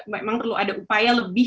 memang perlu ada upaya lebih